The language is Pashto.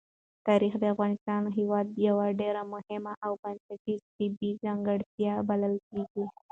تاریخ د افغانستان هېواد یوه ډېره مهمه او بنسټیزه طبیعي ځانګړتیا بلل کېږي.